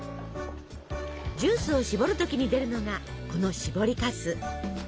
ジュースをしぼる時に出るのがこのしぼりかす。